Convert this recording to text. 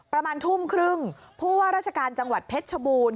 ประมาณทุ่มครึ่งผู้ว่าราชการจังหวัดเพชรชบูรณ